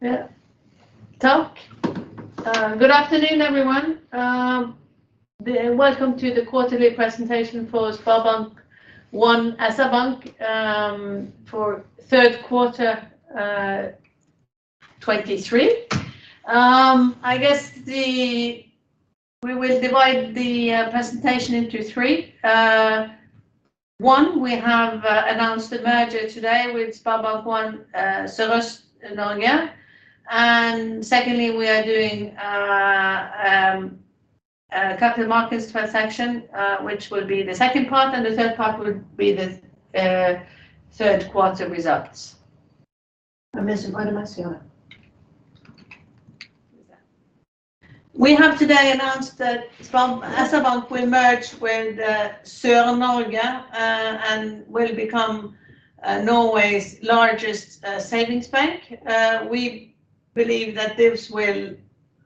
Good afternoon, everyone. Welcome to the quarterly presentation for SpareBank 1 SR-Bank for third quarter 2023. I guess we will divide the presentation into three. One, we have announced a merger today with SpareBank 1 Sørøst-Norge. And secondly, we are doing a capital markets transaction, which will be the second part, and the third part will be the third quarter results. I miss you. Why am I still on? We have today announced that SpareBank 1 SR-Bank will merge with Sørøst-Norge and will become Norway's largest savings bank. We believe that this will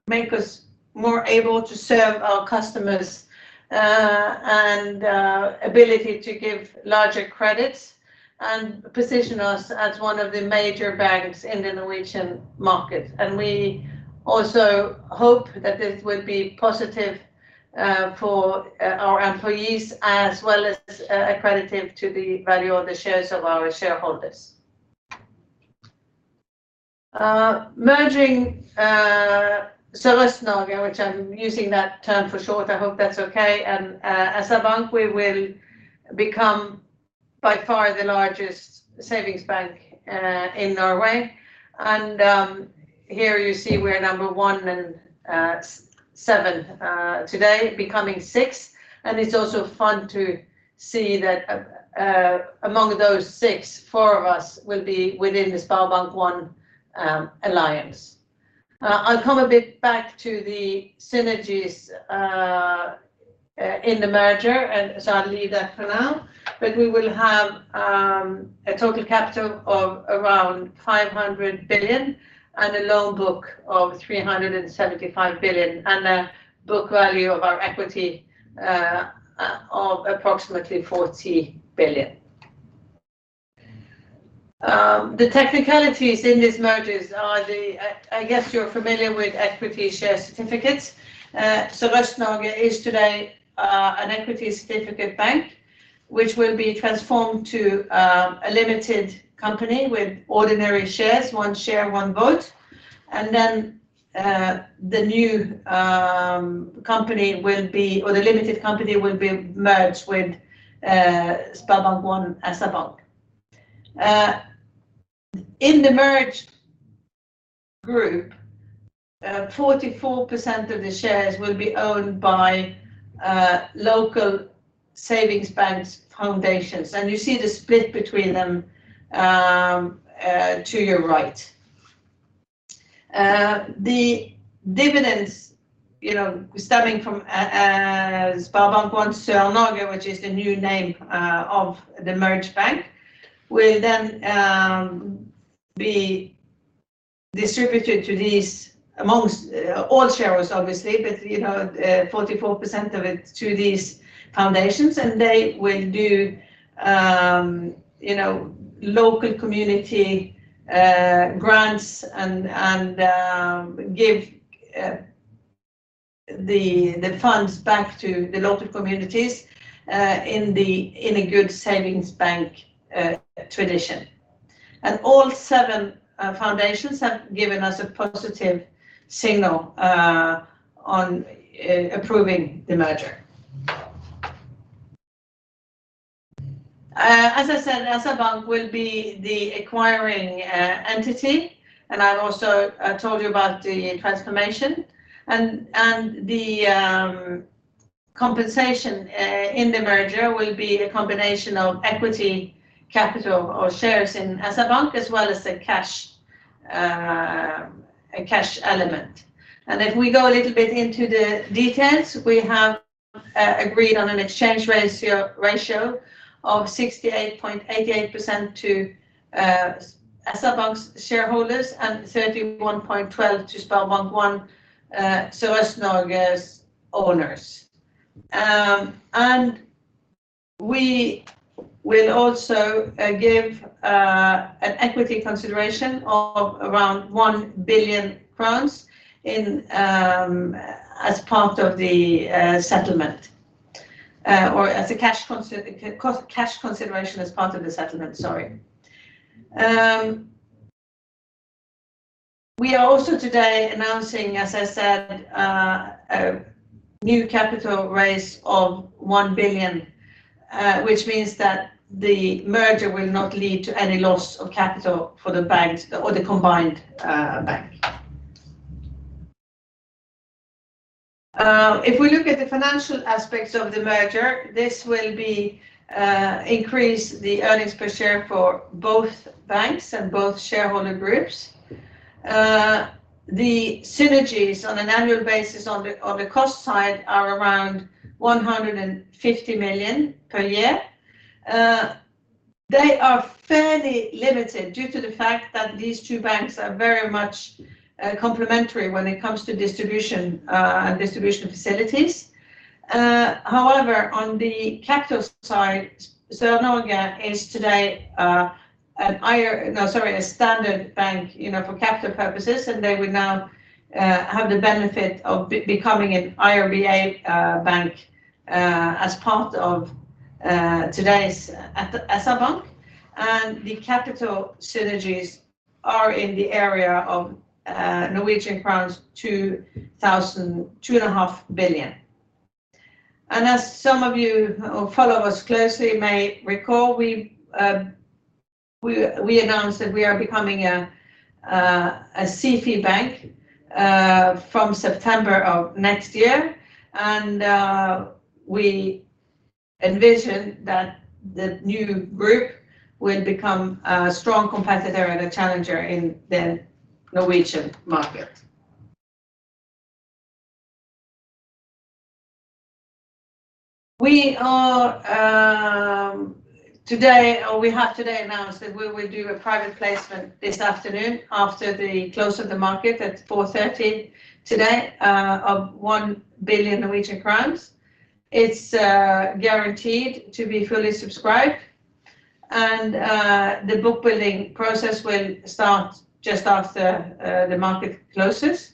make us more able to serve our customers and ability to give larger credits and position us as one of the major banks in the Norwegian market. And we also hope that this will be positive for our employees, as well as accretive to the value of the shares of our shareholders. Merging Sørøst-Norge, which I'm using that term for short, I hope that's okay, and SR-Bank, we will become by far the largest savings bank in Norway. Here you see we're number one and seven today, becoming six. And it's also fun to see that among those six, four of us will be within the SpareBank 1 Alliance. I'll come a bit back to the synergies in the merger, and so I'll leave that for now. But we will have a total capital of around 500 billion and a loan book of 375 billion, and a book value of our equity of approximately 40 billion. The technicalities in these mergers are the... I guess you're familiar with equity certificates. Sørøst-Norge is today an equity certificate bank, which will be transformed to a limited company with ordinary shares, one share, one vote. And then, the new company will be, or the limited company will be merged with SpareBank 1 SR-Bank. In the merged group, 44% of the shares will be owned by local savings banks, foundations, and you see the split between them to your right. The dividends, you know, starting from SpareBank 1 Sør-Norge, which is the new name of the merged bank, will then be distributed to these among all shareholders, obviously, but, you know, 44% of it to these foundations, and they will do, you know, local community grants and give the funds back to the local communities in a good savings bank tradition. And all seven foundations have given us a positive signal on approving the merger. As I said, SR-Bank will be the acquiring entity, and I've also told you about the transformation. And the compensation in the merger will be a combination of equity, capital or shares in SR-Bank, as well as a cash element. If we go a little bit into the details, we have agreed on an exchange ratio of 68.88% to SR-Bank's shareholders and 31.12% to SpareBank 1 Sørøst-Norge's owners. We will also give an equity consideration of around 1 billion crowns as part of the settlement, or as a cash consideration as part of the settlement, sorry. We are also today announcing, as I said, a new capital raise of 1 billion, which means that the merger will not lead to any loss of capital for the banks or the combined bank. If we look at the financial aspects of the merger, this will increase the earnings per share for both banks and both shareholder groups. The synergies on an annual basis on the cost side are around 150 million per year. They are fairly limited due to the fact that these two banks are very much, you know, complementary when it comes to distribution and distribution facilities. However, on the capital side, Sørøst-Norge is today a standard bank, you know, for capital purposes, and they will now have the benefit of becoming an IRB-A bank as part of today's at the SR Bank. The capital synergies are in the area of Norwegian crowns 2 billion-2.5 billion. As some of you who follow us closely may recall, we announced that we are becoming a SIFI bank from September of next year. We envision that the new group will become a strong competitor and a challenger in the Norwegian market. We are today, or we have today announced that we will do a private placement this afternoon after the close of the market at 4:30 P.M. today of 1 billion Norwegian crowns. It's guaranteed to be fully subscribed, and the book building process will start just after the market closes.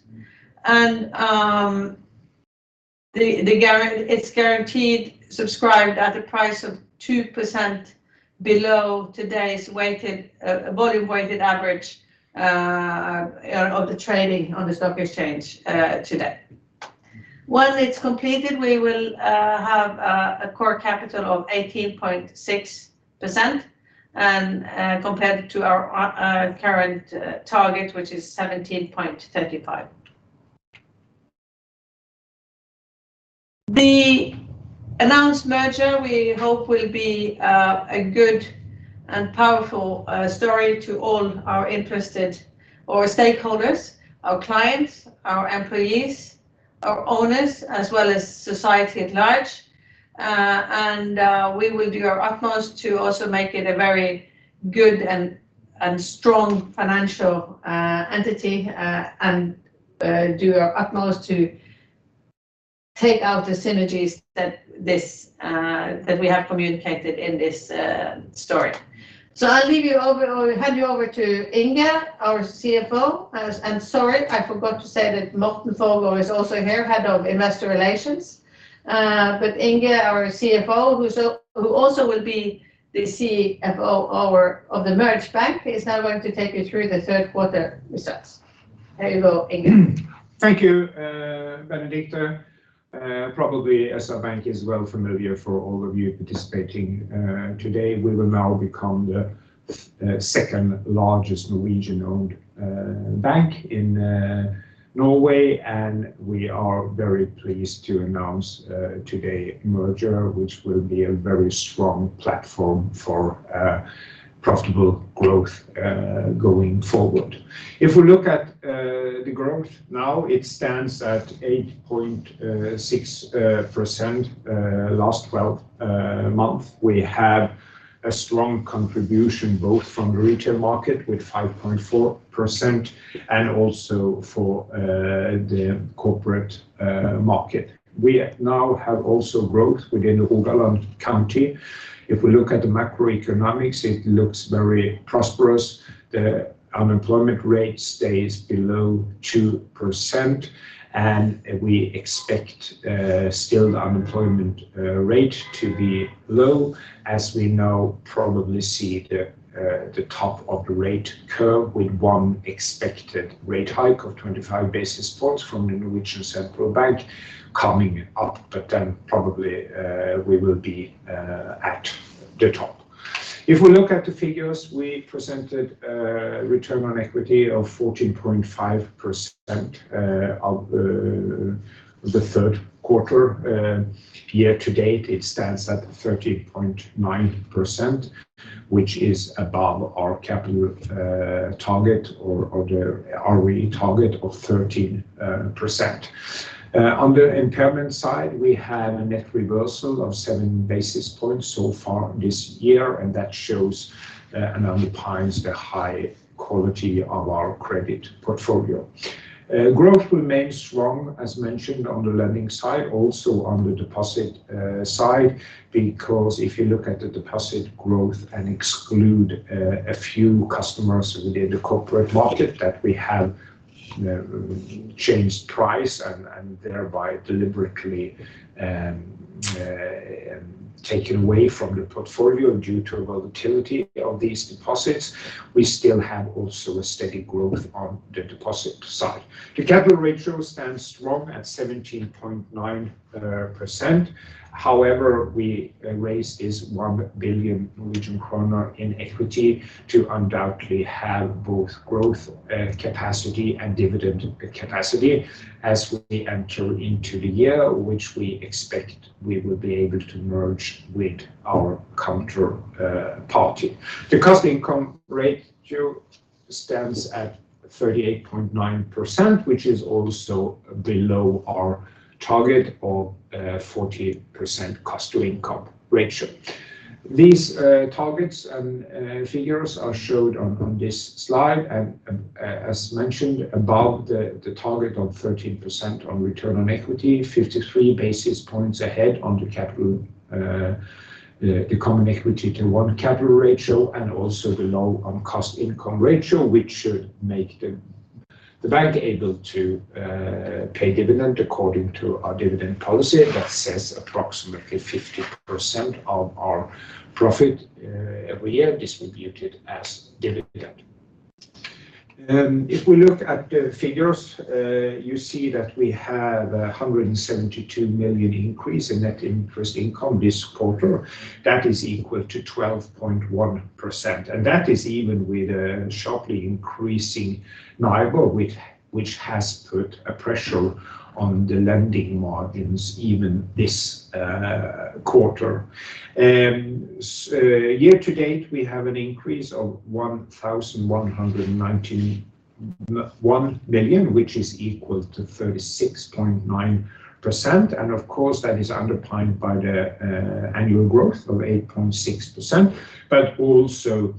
It's guaranteed subscribed at a price of 2% below today's weighted volume weighted average of the trading on the stock exchange today. Once it's completed, we will have a core capital of 18.6%, and compared to our current target, which is 17.35. The announced merger, we hope, will be a good and powerful story to all our interested or stakeholders, our clients, our employees, our owners, as well as society at large. We will do our utmost to also make it a very good and strong financial entity and do our utmost to take out the synergies that we have communicated in this story. So I'll leave you over or hand you over to Inge, our CFO. Sorry, I forgot to say that Morten Thorsrud is also here, Head of Investor Relations. But Inge, our CFO, who also will be the CFO of the merged bank, is now going to take you through the third quarter results. There you go, Inge. Thank you, Benedicte. Probably SR-Bank is well familiar for all of you participating today. We will now become the second largest Norwegian-owned bank in Norway, and we are very pleased to announce today merger, which will be a very strong platform for profitable growth going forward. If we look at the growth now, it stands at 8.6% last 12 months. We have a strong contribution, both from the retail market with 5.4% and also for the corporate market. We now have also growth within the Rogaland County. If we look at the macroeconomics, it looks very prosperous. The unemployment rate stays below 2%, and we expect still the unemployment rate to be low, as we now probably see the top of the rate curve with one expected rate hike of 25 basis points from the Norwegian Central Bank coming up, but then probably we will be at the top. If we look at the figures, we presented a return on equity of 14.5% of the third quarter. Year to date, it stands at 13.9%, which is above our capital target or the ROE target of 13%. On the impairment side, we have a net reversal of 7 basis points so far this year, and that shows and underpins the high quality of our credit portfolio. Growth remains strong, as mentioned on the lending side, also on the deposit side, because if you look at the deposit growth and exclude a few customers within the corporate market, that we have changed price and thereby deliberately taken away from the portfolio due to a volatility of these deposits, we still have also a steady growth on the deposit side. The capital ratio stands strong at 17.9%. However, we raised this 1 billion Norwegian kroner in equity to undoubtedly have both growth capacity and dividend capacity as we enter into the year, which we expect we will be able to merge with our counterparty. The cost income ratio stands at 38.9%, which is also below our target of 40% cost to income ratio. These targets and figures are showed on this slide, and, as mentioned, above the target of 13% on return on equity, 53 basis points ahead on the capital, the Common Equity Tier 1 capital ratio, and also the low on cost-income ratio, which should make the bank able to pay dividend according to our dividend policy. That says approximately 50% of our profit every year distributed as dividend. And if we look at the figures, you see that we have a 172 million increase in net interest income this quarter. That is equal to 12.1%, and that is even with a sharply increasing NIBOR, which has put a pressure on the lending margins even this quarter. Year to date, we have an increase of 1,191 million, which is equal to 36.9%. And of course, that is underpinned by the annual growth of 8.6%, but also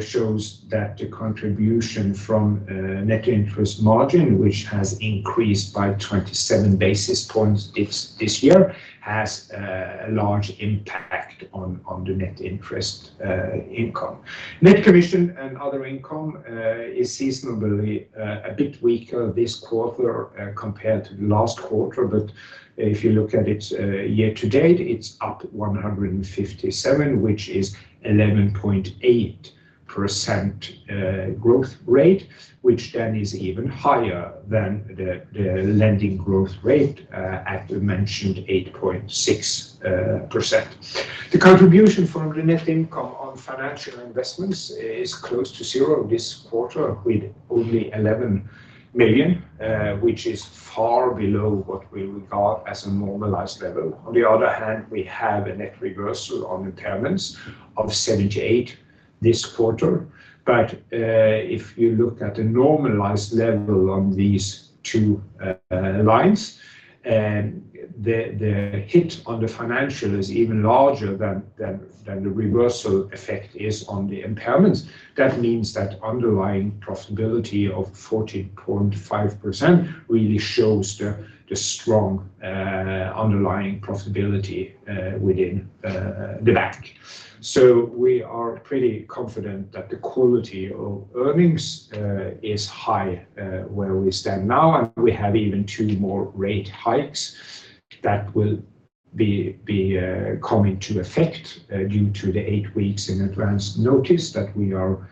shows that the contribution from net interest margin, which has increased by 27 basis points this year, has a large impact on the net interest income. Net commission and other income is seasonally a bit weaker this quarter compared to last quarter, but if you look at it year to date, it's up 157 million, which is 11.8% growth rate, which then is even higher than the lending growth rate at the mentioned 8.6%. The contribution from the net income on financial investments is close to zero this quarter, with only 11 million, which is far below what we regard as a normalized level. On the other hand, we have a net reversal on impairments of 78 million this quarter. But, if you look at the normalized level on these two lines, and the hit on the financial is even larger than the reversal effect is on the impairments. That means that underlying profitability of 14.5% really shows the strong underlying profitability within the bank. So we are pretty confident that the quality of earnings is high where we stand now, and we have even two more rate hikes that will be coming to effect due to the eight weeks in advance notice that we are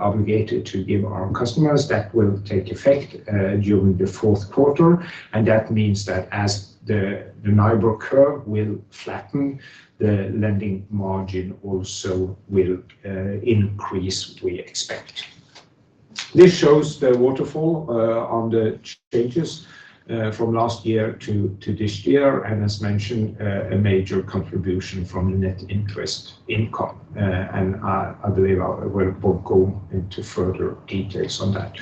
obligated to give our customers. That will take effect during the fourth quarter, and that means that as the NIBOR curve will flatten, the lending margin also will increase, we expect. This shows the waterfall on the changes from last year to this year, and as mentioned, a major contribution from the net interest income, and I believe I will both go into further details on that.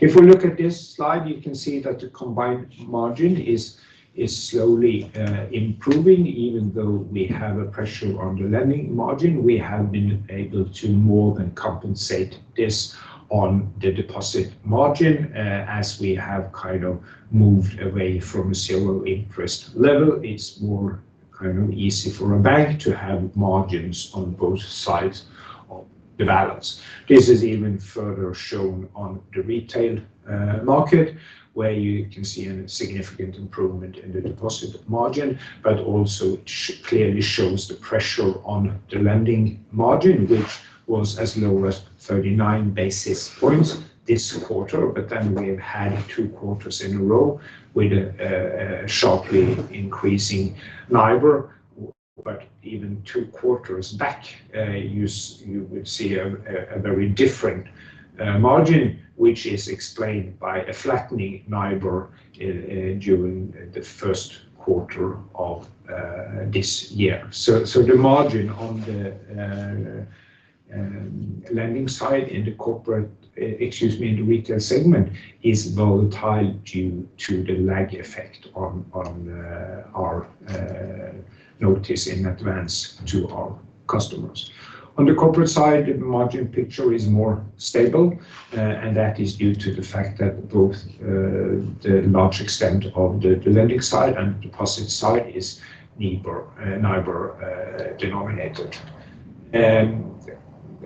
If we look at this slide, you can see that the combined margin is slowly improving. Even though we have a pressure on the lending margin, we have been able to more than compensate this on the deposit margin. As we have kind of moved away from a zero interest level, it's more kind of easy for a bank to have margins on both sides of the balance. This is even further shown on the retail market, where you can see a significant improvement in the deposit margin, but also clearly shows the pressure on the lending margin, which was as low as 39 basis points this quarter. But then we've had two quarters in a row with a sharply increasing NIBOR. But even two quarters back, you would see a very different margin, which is explained by a flattening NIBOR during the first quarter of this year. The margin on the lending side in the corporate, excuse me, in the retail segment, is volatile due to the lag effect on our notice in advance to our customers. On the corporate side, the margin picture is more stable, and that is due to the fact that both the large extent of the lending side and deposit side is NIBOR denominated.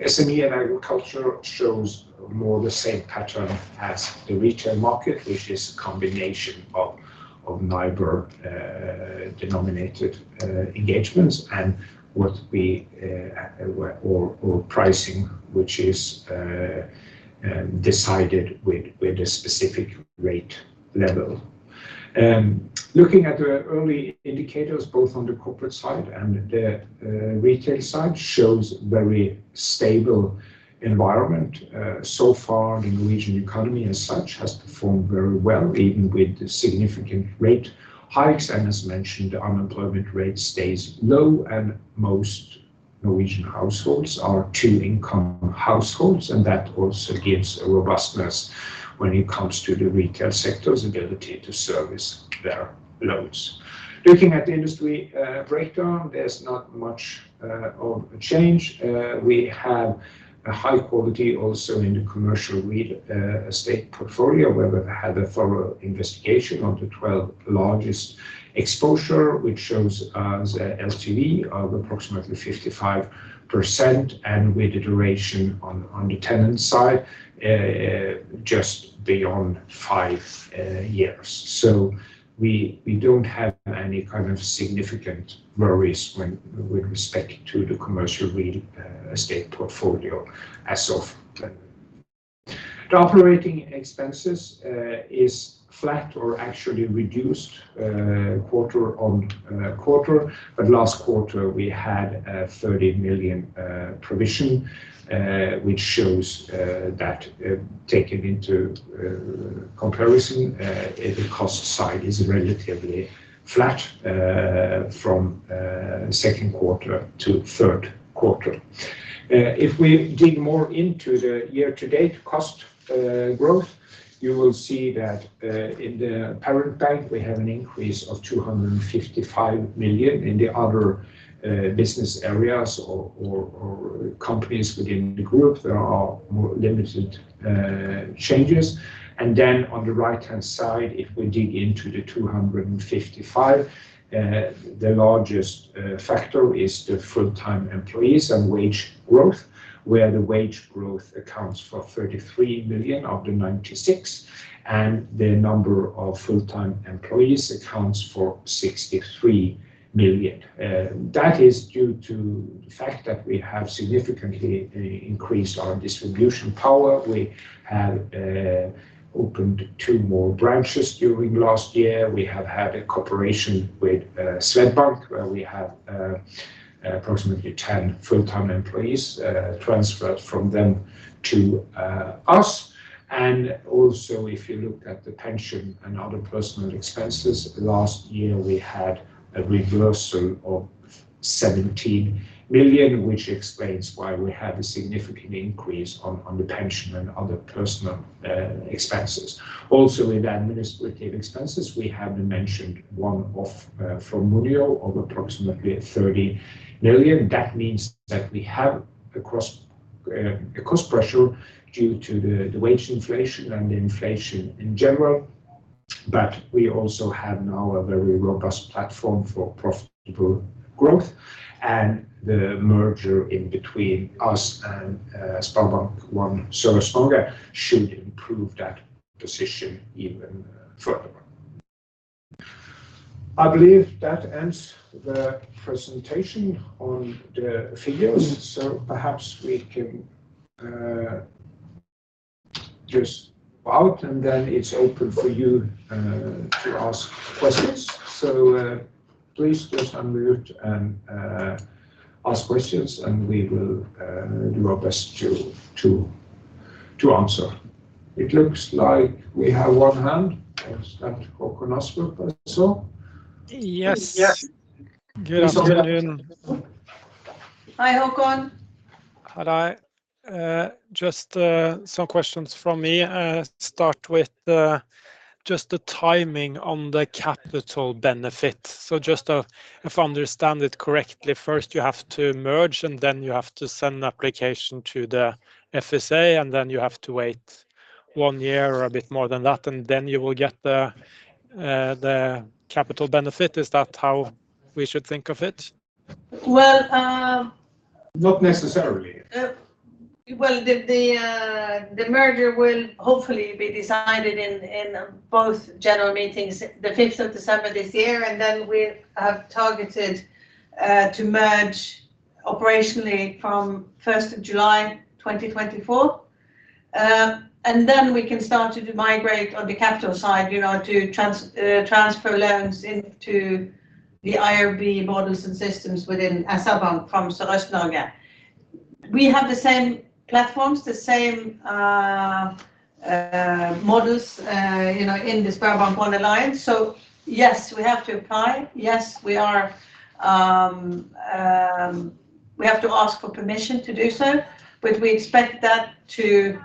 SME and agriculture shows more the same pattern as the retail market, which is a combination of NIBOR denominated engagements and what we or pricing, which is decided with a specific rate level. Looking at the early indicators, both on the corporate side and the retail side, shows very stable environment. So far, the Norwegian economy as such has performed very well, even with the significant rate hikes. And as mentioned, the unemployment rate stays low, and most Norwegian households are two-income households, and that also gives a robustness when it comes to the retail sector's ability to service their loans. Looking at the industry breakdown, there's not much of a change. We have a high quality also in the commercial real estate portfolio, where we've had a thorough investigation on the 12 largest exposure, which shows the LTV of approximately 55%, and with the duration on the tenant side just beyond five years. So we don't have any kind of significant worries with respect to the commercial real estate portfolio as of then. The operating expenses is flat or actually reduced quarter-over-quarter. But last quarter we had 30 million provision, which shows that taken into comparison the cost side is relatively flat from second quarter to third quarter. If we dig more into the year-to-date cost growth, you will see that in the parent bank, we have an increase of 255 million. In the other business areas or companies within the group, there are more limited changes. And then on the right-hand side, if we dig into the 255 million, the largest factor is the full-time employees and wage growth, where the wage growth accounts for 33 million of the 96 million, and the number of full-time employees accounts for 63 million. That is due to the fact that we have significantly increased our distribution power. We have opened two more branches during last year. We have had a cooperation with Swedbank, where we have approximately 10 full-time employees transferred from them to us. And also, if you look at the pension and other personal expenses, last year, we had a reversal of 17 million, which explains why we had a significant increase on the pension and other personal expenses. Also, in the administrative expenses, we have the mentioned one-off from Monio of approximately 30 million. That means that we have a cost pressure due to the wage inflation and the inflation in general, but we also have now a very robust platform for profitable growth. The merger between us and SpareBank 1 Sørøst-Norge should improve that position even further. I believe that ends the presentation on the figures. Perhaps we can just wrap up, and then it's open for you to ask questions. Please just unmute and ask questions, and we will do our best to answer. It looks like we have one hand. Is that Håkon Øsberg I saw? Yes. Yes. Good afternoon. Hi, Håkon. Hi, just some questions from me. Start with just the timing on the capital benefit. So just, if I understand it correctly, first you have to merge, and then you have to send an application to the FSA, and then you have to wait one year or a bit more than that, and then you will get the, the capital benefit. Is that how we should think of it? Well, um- Not necessarily. Well, the merger will hopefully be decided in both general meetings, the fifth of December this year, and then we have targeted to merge operationally from first of July, 2024. And then we can start to migrate on the capital side, you know, to transfer loans into the IRB models and systems within SR-Bank from Sørøst-Norge. We have the same platforms, the same models, you know, in the SpareBank 1 Alliance. So yes, we have to apply. Yes, we are, we have to ask for permission to do so, but we expect that to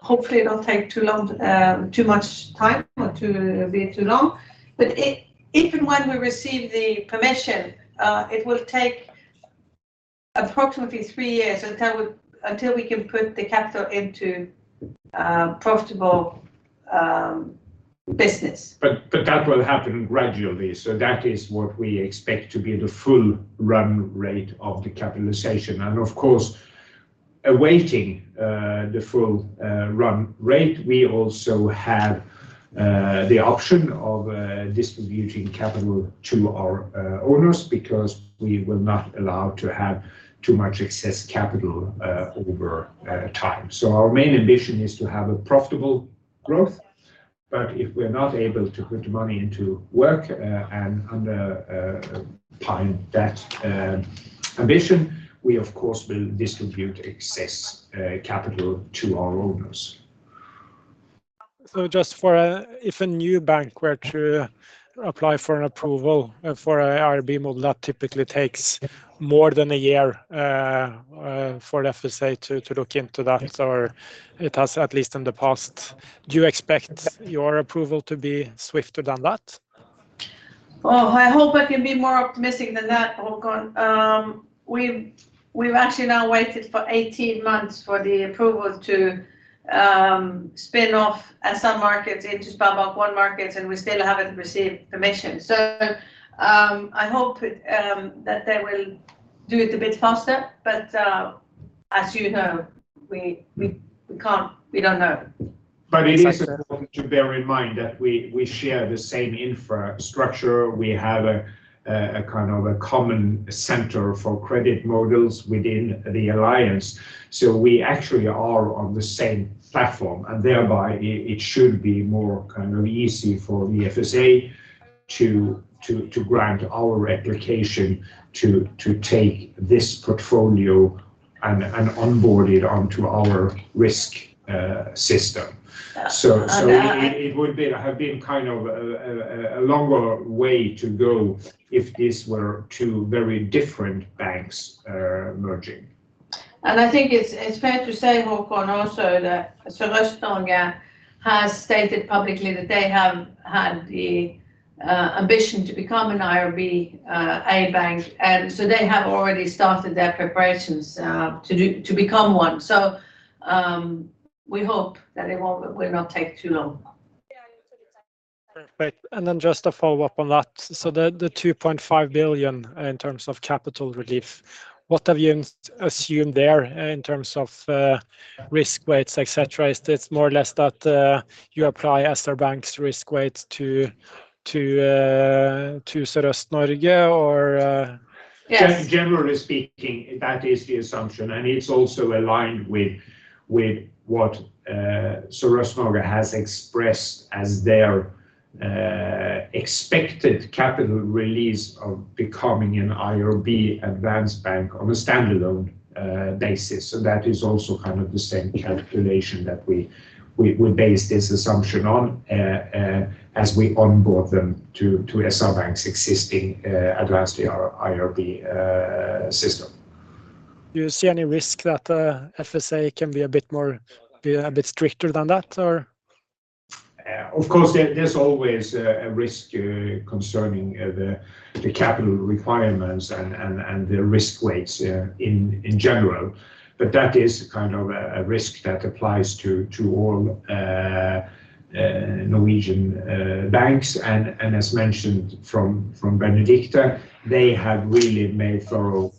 hopefully not take too long, too much time or to be too long. But even when we receive the permission, it will take approximately three years until we can put the capital into profitable business. But that will happen gradually, so that is what we expect to be the full run rate of the capitalization. And of course, awaiting the full run rate, we also have the option of distributing capital to our owners, because we will not allow to have too much excess capital over time. So our main ambition is to have a profitable growth, but if we're not able to put the money into work and underpin that ambition, we of course will distribute excess capital to our owners.... so just for, if a new bank were to apply for an approval, for IRB model, that typically takes more than a year, for the FSA to look into that, or it has at least in the past. Do you expect your approval to be swifter than that? Oh, I hope I can be more optimistic than that, Håkon. We've actually now waited for 18 months for the approval to spin off some markets into SpareBank 1 Markets, and we still haven't received permission. So, I hope that they will do it a bit faster, but as you know, we can't, we don't know. But it is to bear in mind that we share the same infrastructure. We have a kind of a common center for credit models within the alliance, so we actually are on the same platform, and thereby, it should be more kind of easy for the FSA to grant our application to take this portfolio and onboard it onto our risk system. Uh, and i- It would have been kind of a longer way to go if this were two very different banks merging. I think it's fair to say, Håkon, also, that SR-Bank has stated publicly that they have had the ambition to become an IRB-A bank, and so they have already started their preparations to become one. So, we hope that it will not take too long. Perfect. Then just a follow-up on that. So the 2.5 billion in terms of capital relief, what have you assumed there in terms of risk weights, et cetera? It's more or less that you apply SR-Bank's risk weight to Sørøst-Norge or... Yes. Generally speaking, that is the assumption, and it's also aligned with what SpareBank 1 Sør-Norge has expressed as their expected capital release of becoming an IRB advanced bank on a standalone basis. So that is also kind of the same calculation that we base this assumption on as we onboard them to SpareBank 1 SR-Bank's existing advanced IRB system. Do you see any risk that FSA can be a bit stricter than that, or? Of course, there's always a risk concerning the capital requirements and the risk weights in general. But that is kind of a risk that applies to all Norwegian banks. And as mentioned from Benedicte, they have really made thorough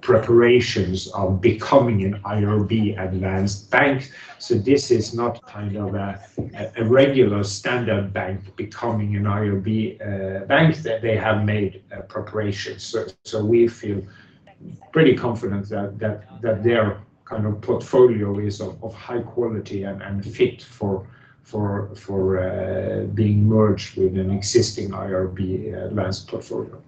preparations of becoming an IRB advanced bank. So this is not kind of a regular standard bank becoming an IRB bank, that they have made preparations. So we feel pretty confident that their kind of portfolio is of high quality and fit for being merged with an existing IRB advanced portfolio.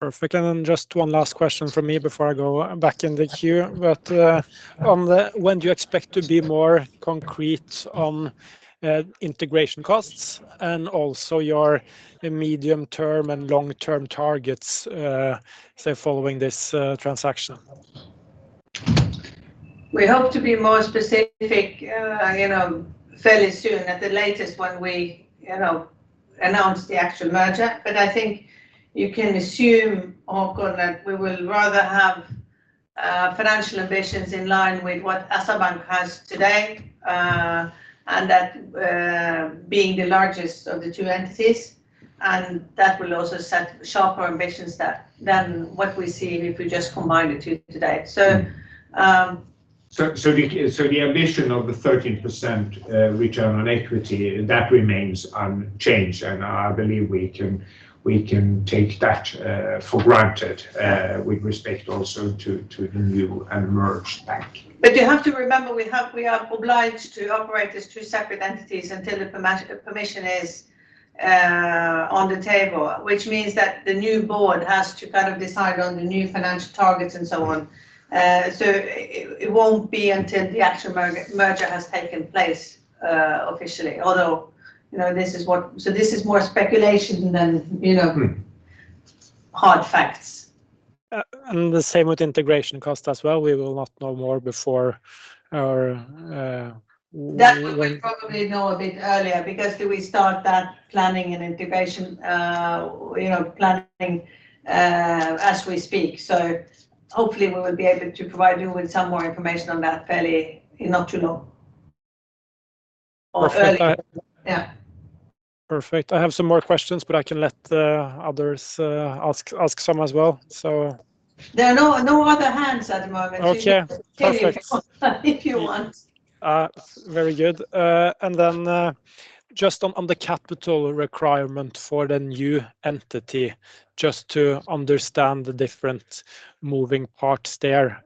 Perfect. And then just one last question from me before I go back in the queue. But on when do you expect to be more concrete on integration costs and also your the medium-term and long-term targets, say, following this transaction? We hope to be more specific, you know, fairly soon, at the latest, when we, you know, announce the actual merger. But I think you can assume, Håkon, that we will rather have, financial ambitions in line with what SR-Bank has today, and that, being the largest of the two entities, and that will also set sharper ambitions than what we see if we just combine the two today. So, So, the ambition of the 13% return on equity, that remains unchanged, and I believe we can take that for granted, with respect also to the new and merged bank. But you have to remember, we have, we are obliged to operate as two separate entities until the permission is on the table, which means that the new board has to kind of decide on the new financial targets and so on. So it, it won't be until the actual merger, merger has taken place officially. Although, you know, this is what... So this is more speculation than, you know- Mm... hard facts. and the same with integration cost as well, we will not know more before our That we will probably know a bit earlier because we start that planning and integration, you know, planning, as we speak. So hopefully, we will be able to provide you with some more information on that fairly, in not too long. Perfect. I- Yeah. Perfect. I have some more questions, but I can let the others ask some as well. So- There are no, no other hands at the moment. Okay, perfect. If you want. Very good. And then, just on the capital requirement for the new entity, just to understand the different moving parts there.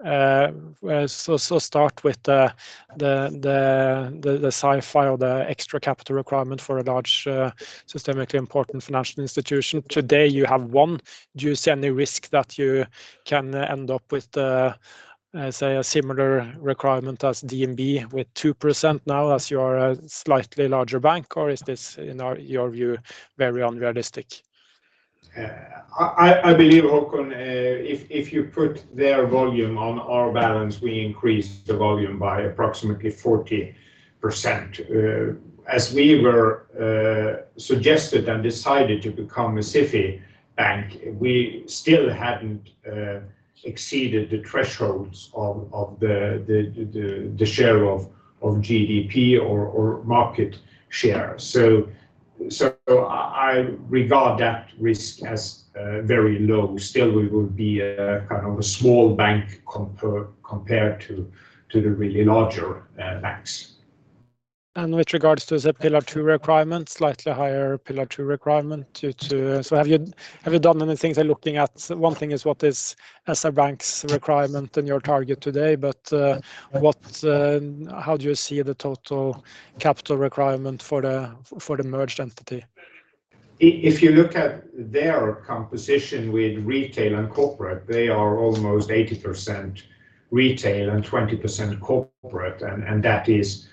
So start with the SIFI, the extra capital requirement for a large systemically important financial institution. Today, you have one. Do you see any risk that you can end up with, say, a similar requirement as DNB with 2% now, as you are a slightly larger bank, or is this, in your view, very unrealistic?... I believe, Håkon, if you put their volume on our balance, we increase the volume by approximately 40%. As we were suggested and decided to become a SIFI bank, we still hadn't exceeded the thresholds of the share of GDP or market share. So I regard that risk as very low. Still, we will be a kind of a small bank compared to the really larger banks. And with regards to the Pillar 2 requirement, slightly higher Pillar 2 requirement too. So have you done anything by looking at, one thing is what is SR-Bank's requirement and your target today, but, what, how do you see the total capital requirement for the merged entity? If you look at their composition with retail and corporate, they are almost 80% retail and 20% corporate, and that is,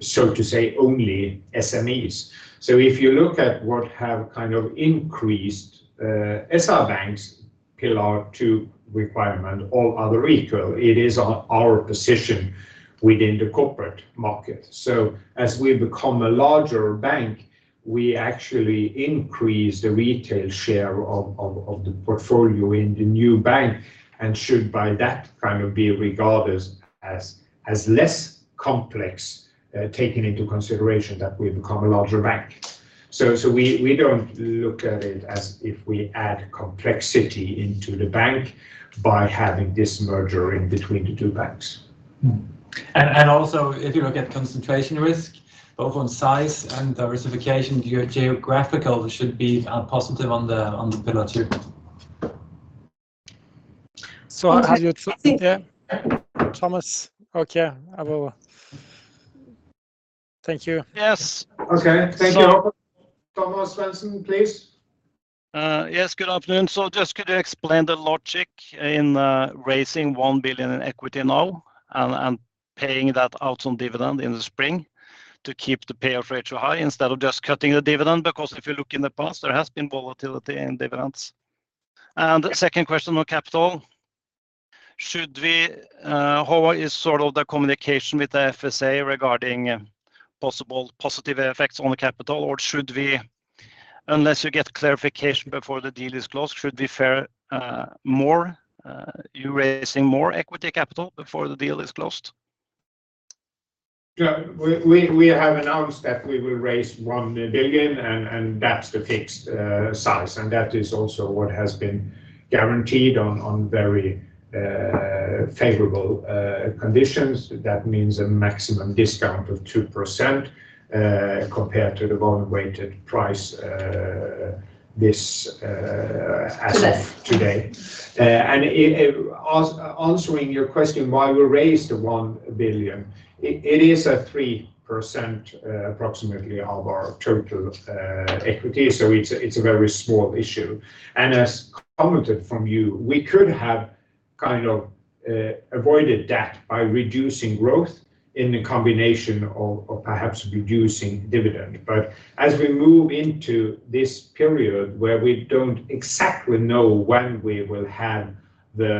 so to say, only SMEs. So if you look at what have kind of increased, SR-Bank's Pillar 2 requirement or other retail, it is our position within the corporate market. So as we become a larger bank, we actually increase the retail share of the portfolio in the new bank, and should, by that, kind of be regarded as less complex, taking into consideration that we've become a larger bank. So we don't look at it as if we add complexity into the bank by having this merger in between the two banks. Also, if you look at concentration risk, both on size and diversification, your geographical should be positive on the Pillar Two. Have you- I think- Yeah. Thomas. Okay, I will... Thank you. Yes. Okay. Thank you. Thomas Svendsen, please. Yes, good afternoon. So just could you explain the logic in raising 1 billion in equity now and paying that out on dividend in the spring to keep the payout ratio high, instead of just cutting the dividend? Because if you look in the past, there has been volatility in dividends. And second question on capital, should we... How is sort of the communication with the FSA regarding possible positive effects on the capital, or should we, unless you get clarification before the deal is closed, should we favor more you raising more equity capital before the deal is closed? Yeah. We have announced that we will raise 1 billion, and that's the fixed size, and that is also what has been guaranteed on very favorable conditions. That means a maximum discount of 2% compared to the bond weighted price, this as of today. Today. Answering your question, why we raised the 1 billion, it is approximately 3% of our total equity, so it's a very small issue. And as commented from you, we could have kind of avoided that by reducing growth in the combination of perhaps reducing dividend. But as we move into this period where we don't exactly know when we will have the...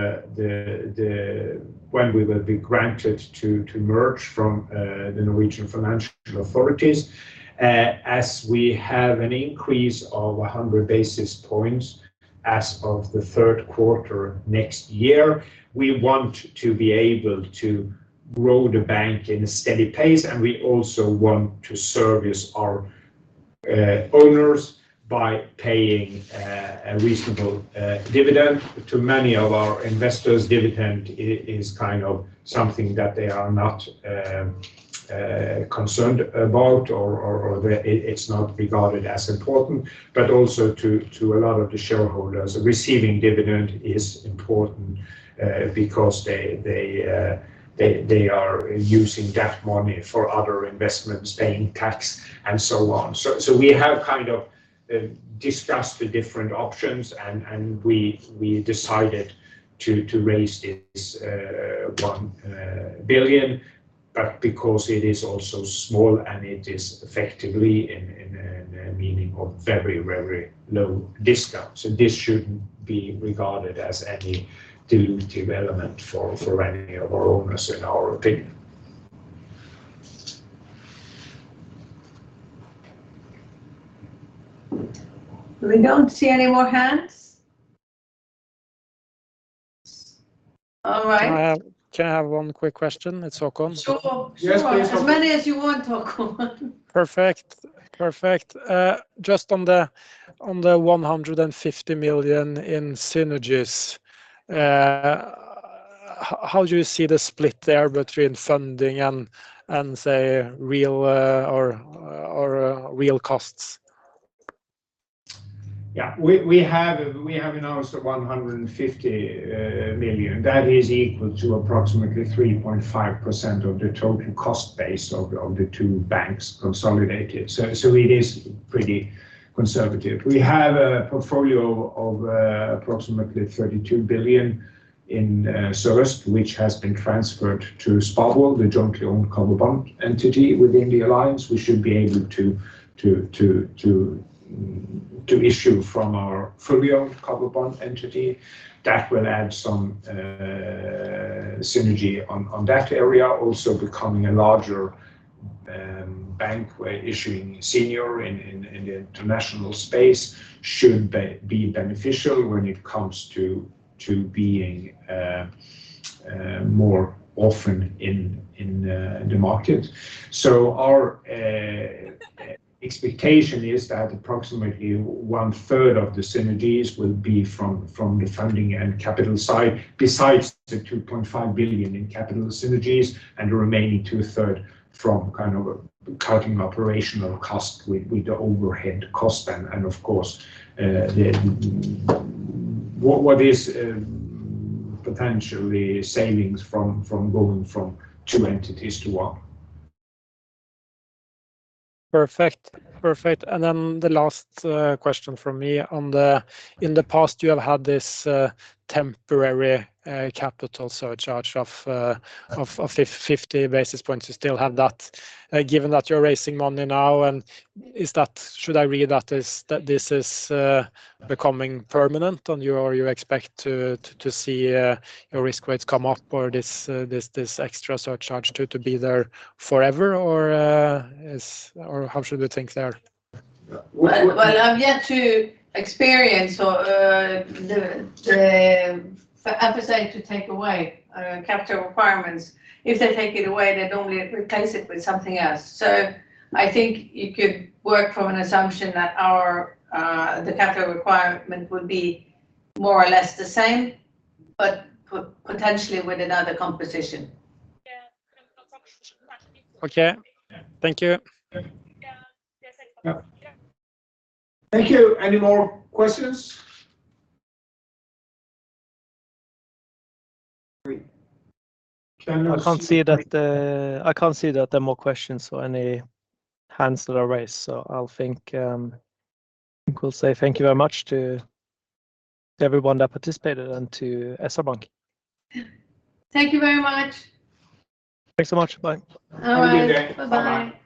When we will be granted to merge from the Norwegian financial authorities, as we have an increase of 100 basis points as of the third quarter next year, we want to be able to grow the bank in a steady pace, and we also want to service our owners by paying a reasonable dividend. To many of our investors, dividend is kind of something that they are not concerned about or they... It's not regarded as important. But also to a lot of the shareholders, receiving dividend is important because they are using that money for other investments, paying tax, and so on. So we have kind of discussed the different options and we decided to raise this 1 billion, but because it is also small and it is effectively in a meaning of very, very low discount, so this shouldn't be regarded as any dilutive element for any of our owners, in our opinion. We don't see any more hands? All right. Can I have one quick question? It's Håkon. Sure. Yes, please, Håkon. As many as you want, Håkon. Perfect. Perfect. Just on the, on the 150 million in synergies, how do you see the split there between funding and, and, say, real, or, or, real costs? Yeah. We have announced 150 million. That is equal to approximately 3.5% of the total cost base of the two banks consolidated. So it is pretty conservative. We have a portfolio of approximately 32 billion in service, which has been transferred to SpareBank, the jointly owned covered bond entity within the alliance. We should be able to issue from our fully owned covered bond entity. That will add some synergy on that area. Also, becoming a larger bank where issuing senior in the international space should be beneficial when it comes to being more often in the market. So our expectation is that approximately 1/3 of the synergies will be from the funding and capital side, besides the 2.5 billion in capital synergies, and the remaining 2/3 from kind of cutting operational cost with the overhead cost. And of course, what is potentially savings from going from two entities to one. Perfect. Perfect. And then the last question from me on the... In the past, you have had this temporary capital surcharge of 50 basis points. You still have that, given that you're raising money now, and is that should I read that as that this is becoming permanent, or you or you expect to to see your risk weights come up or this this this extra surcharge to to be there forever? Or, is... Or how should we think there? Well, well, I've yet to experience to take away capital requirements. If they take it away, they'd only replace it with something else. So I think you could work from an assumption that our capital requirement would be more or less the same, but potentially with another composition. Okay. Thank you. Thank you. Any more questions? Great. I can't see that there are more questions or any hands that are raised, so I think we'll say thank you very much to everyone that participated and to SR Bank. Thank you very much. Thanks so much. Bye. Bye. Bye-bye. Have a good day. Bye.